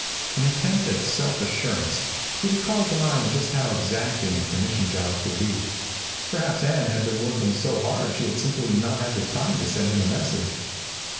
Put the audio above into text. In an attempt at self assurance, he recalled to mind just how exacting a commission job could be. Perhaps Ann had been working so hard she had simply not had the time to send him a message.